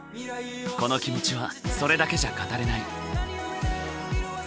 この気持ちはそれだけじゃ語れない。